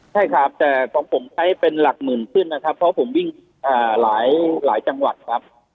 ใช่ครับแต่ของผมใช้เป็นหลักหมื่นขึ้นนะครับเพราะผมวิ่งหลายจังหวัดครับ